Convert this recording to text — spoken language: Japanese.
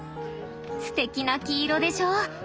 すてきな黄色でしょう？